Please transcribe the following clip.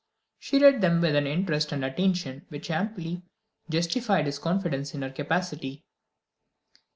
She read them with an interest and attention which amply justified his confidence in her capacity.